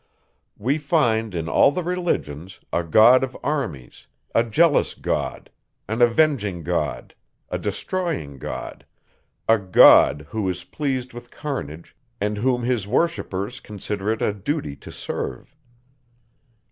We find, in all the religions, "a God of armies," a "jealous God," an "avenging God," a "destroying God," a "God," who is pleased with carnage, and whom his worshippers consider it a duty to serve.